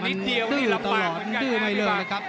ดื้อตลอดดื้อไม่เริ่มนะครับ